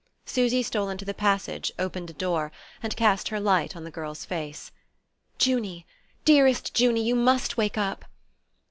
Susy stole into the passage, opened a door, and cast her light on the girl's face. "Junie! Dearest Junie, you must wake up!"